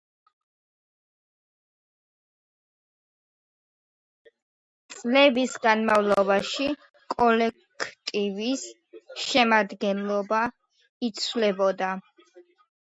წლების განმავლობაში კოლექტივის შემადგენლობა იცვლებოდა.